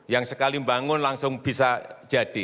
yang sekali membangun langsung bisa jadi